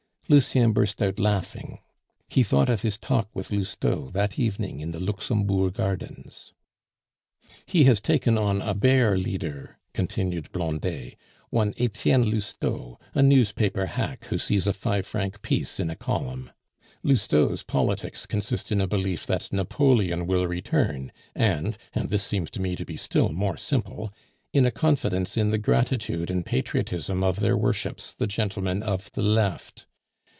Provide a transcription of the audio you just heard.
Lucien burst out laughing; he thought of his talk with Lousteau that evening in the Luxembourg Gardens. "He has taken on a bear leader," continued Blondet, "one Etienne Lousteau, a newspaper hack who sees a five franc piece in a column. Lousteau's politics consist in a belief that Napoleon will return, and (and this seems to me to be still more simple) in a confidence in the gratitude and patriotism of their worships the gentlemen of the Left.